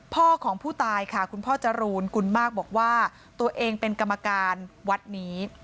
พ่อของผู้ตายค่ะคุณพ่อจรูนกุลมากบอกว่าตัวเองเป็นกรรมการวัดนี้